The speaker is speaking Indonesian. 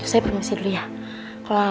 dengar ya al